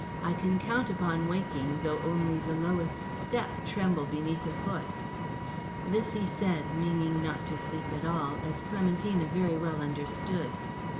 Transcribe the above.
I can count upon waking, though only the lowest step tremble beneath a foot." This he said, meaning not to sleep at all, as Clementina very well understood.